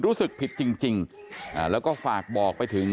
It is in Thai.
รู้สึกผิดจริงแล้วก็ฝากบอกไปถึง